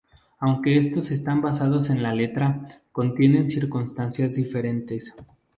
Aunque estos están basados en la letra, contienen circunstancias diferentes.